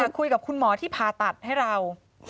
คุยกับคุณหมอที่ผ่าตัดให้เรา